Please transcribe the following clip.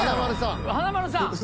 華丸さん。